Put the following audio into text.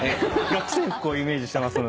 学生服をイメージしてますので。